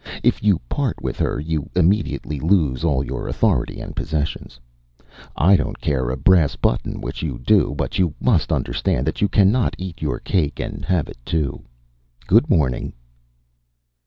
If you part with her you immediately lose all your authority and possessions. I don’t care a brass button which you do, but you must understand that you cannot eat your cake and have it too. Good morning!